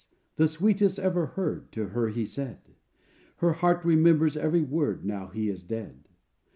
the sweetest ever heard, To her he said: Her heart remembers every word Now he is dead.